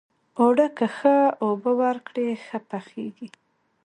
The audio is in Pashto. اوړه که ښه اوبه ورکړې، ښه پخیږي